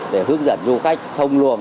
để hướng dẫn du khách thông luồng